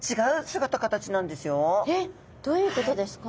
どういうことですか？